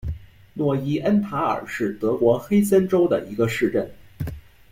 诺伊恩塔尔是德国黑森州的一个市镇。